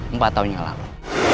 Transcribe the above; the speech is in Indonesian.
empat tahun yang lalu